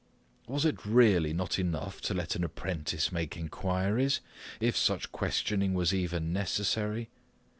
Was it really not enough to let an apprentice make inquiries, if such questioning was even necessary?